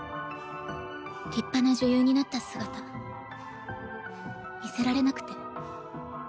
立派な女優になった姿見せられなくて。